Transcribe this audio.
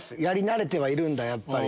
やり慣れてはいるんだ。